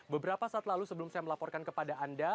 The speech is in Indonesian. beberapa saat lalu sebelum saya melaporkan kepada anda